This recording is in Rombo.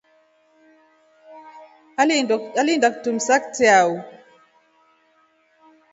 Aliinda kitumsa kitrao.